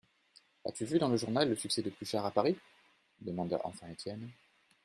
As-tu vu dans le journal le succès de Pluchart à Paris ? demanda enfin Étienne.